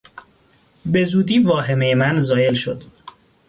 به زودی واهمهی من زایل شد.